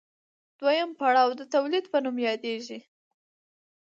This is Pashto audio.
دویم پړاو د تولید په نوم یادېږي